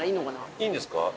いいんですか？